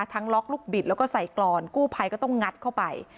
ล็อกลูกบิดแล้วก็ใส่กรอนกู้ภัยก็ต้องงัดเข้าไป